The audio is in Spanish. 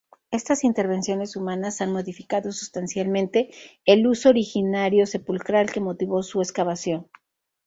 Estas intervenciones humanas han modificado sustancialmente el uso originario sepulcral que motivó su excavación.